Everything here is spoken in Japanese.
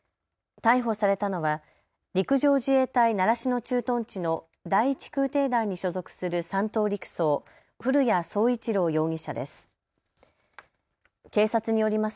逮捕されたのは陸上自衛隊習志野駐屯地の第１空挺団に所属する３等陸曹、古屋聡一朗容疑者です。